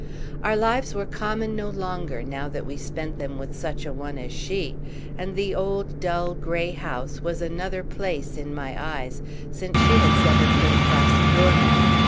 Our lives were common no longer now that we spent them with such a one as she, and the old dull grey house was another place in my eyes since she had set her foot across the door mat.